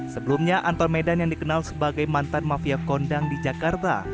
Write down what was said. sebelumnya anton medan yang dikenal sebagai mantan mafia kondang di jakarta